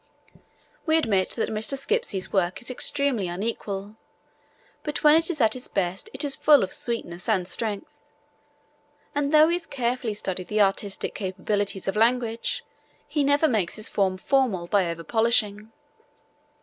We admit that Mr. Skipsey's work is extremely unequal, but when it is at its best it is full of sweetness and strength; and though he has carefully studied the artistic capabilities of language, he never makes his form formal by over polishing.